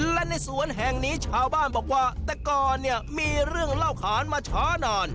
และในสวนแห่งนี้ชาวบ้านบอกว่าแต่ก่อนเนี่ยมีเรื่องเล่าขานมาช้านาน